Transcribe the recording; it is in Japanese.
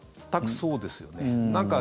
全くそうですよね。